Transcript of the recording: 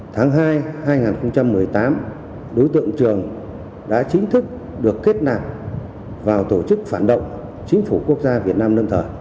tháng hai hai nghìn một mươi tám đối tượng trường đã chính thức được kết nạp vào tổ chức phản động chính phủ quốc gia việt nam lâm thời